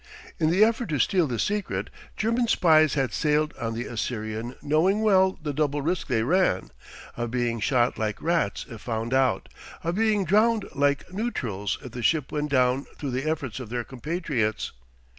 In the effort to steal this secret, German spies had sailed on the Assyrian knowing well the double risk they ran, of being shot like rats if found out, of being drowned like neutrals if the ship went down through the efforts of their compatriots.